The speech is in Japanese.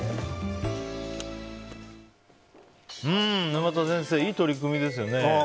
沼田先生いい取り組みですよね。